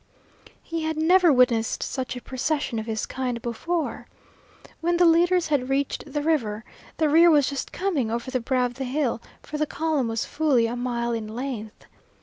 He had never witnessed such a procession of his kind before. When the leaders had reached the river, the rear was just coming over the brow of the hill, for the column was fully a mile in length.